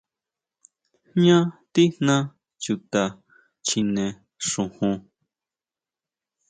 Jñá tijna chuta chjine xujun.